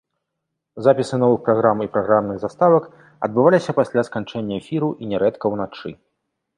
Запісы новых праграм і праграмных заставак адбываліся пасля сканчэння эфіру і нярэдка ўначы.